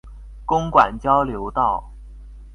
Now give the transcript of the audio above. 公館交流道